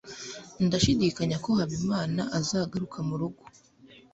Ndashidikanya ko Habimana azagaruka murugo.